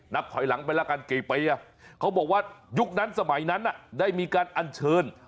นับถอยหลังไปแล้วกันกี่ปีเขาบอกว่ายุคนั้นสมัยนั้นได้มีการอัญเชิญ